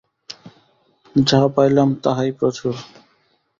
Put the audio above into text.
যাহা পাইলাম তাহাই প্রচুর।